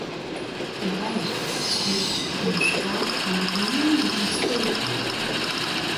In bijekast bestiet út ûnderskate ûnderdielen dy't men steapelje kin.